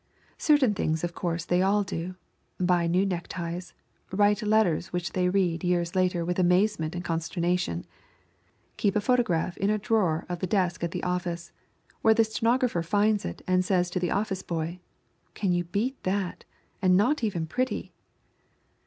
Certain things of course they all do, buy new neckties, write letters which they read years later with amazement and consternation; keep a photograph in a drawer of the desk at the office, where the stenographer finds it and says to the office boy: "Can you beat that? And not even pretty!"